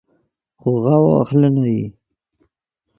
خوغاوو اخلینو ای